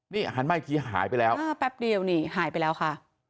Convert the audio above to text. นี่หันมาอีกทีหายไปแล้วเออแป๊บเดียวนี่หายไปแล้วค่ะ